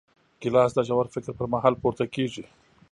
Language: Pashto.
ګیلاس د ژور فکر پر مهال پورته کېږي.